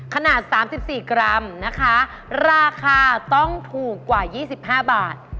ขนาด๓๔กรัมนะคะราคาต้องถูกกว่า๒๕บาท